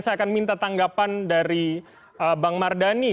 saya akan minta tanggapan dari bang mardhani